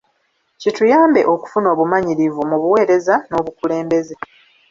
Kituyambye okufuna obumanyirivu mu buweereza n'obukulembeze.